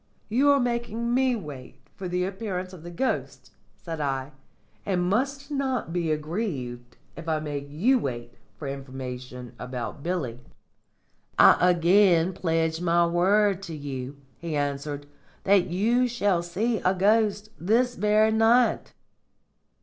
"You are making me wait for the appearance of the ghost," said I, "and must not be aggrieved if I make you wait for information about Billy." "I again pledge my word to you," he answered, "that you shall see a ghost this very night."